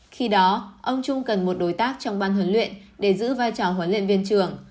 khi đó ông trung cần một đối tác trong ban huấn luyện để giữ vai trò huấn luyện viên trưởng